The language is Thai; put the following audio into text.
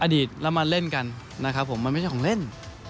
อดีตแล้วมาเล่นกันนะครับผมมันไม่ใช่ของเล่น